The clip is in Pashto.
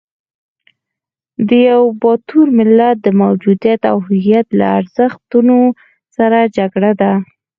د یوه باتور ملت د موجودیت او هویت له ارزښتونو سره جګړه ده.